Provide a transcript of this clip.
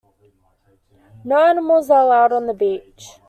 No animals are allowed on the beach.